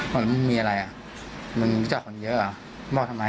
บอกมีอะไรอ่ะมึงก็เจาะคนเยอะอ่ะบอกทำไมอ่ะ